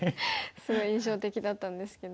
すごい印象的だったんですけど。